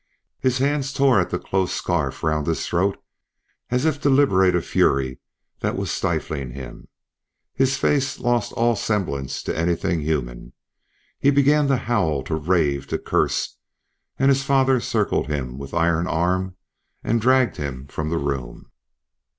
His hands tore at the close scarf round his throat as if to liberate a fury that was stifling him; his face lost all semblance to anything human. He began to howl, to rave, to curse; and his father circled him with iron arm and dragged him from the room.